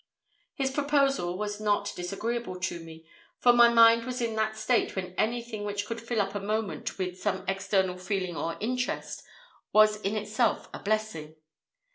His proposal was not disagreeable to me, for my mind was in that state when anything which could fill up a moment with some external feeling or interest was in itself a blessing.